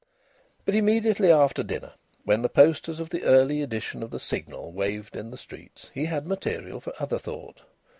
But immediately after dinner, when the posters of the early edition of the Signal waved in the streets, he had material for other thought.